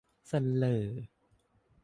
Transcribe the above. เสร่อ